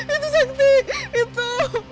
itu itu sakti itu